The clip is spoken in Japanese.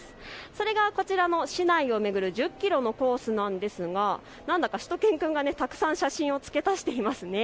それがこちらの市内を巡る１０キロのコースなんですがなんだかしゅと犬くんがたくさん写真を付け足していますね。